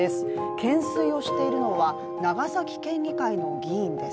懸垂をしているのは長崎県議会の議員です。